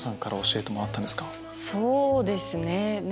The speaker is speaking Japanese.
そうですね。